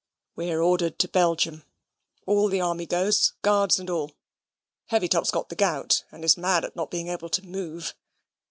"We're ordered to Belgium. All the army goes guards and all. Heavytop's got the gout, and is mad at not being able to move.